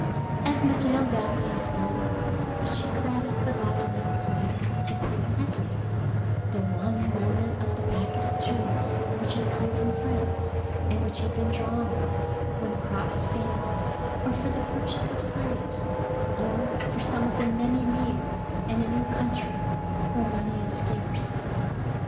As Madame Valvier spoke, she clasped 181 DEEDS OF DABING about Annette's neck the pearl neck lace, the only remnant of the packet of jewels which had come from France, and which had been drawn on when crops failed, or for the purchase of slaves, or for some of the many needs in a new country where money is scarce.